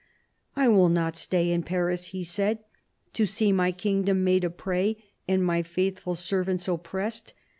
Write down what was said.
" I will not stay in Paris," he said, " to see my kingdom made a prey and my faithful servants oppressed.